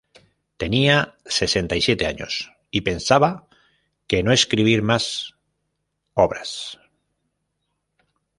Tenía sesenta y siete años, y pensaba que no escribir más obras.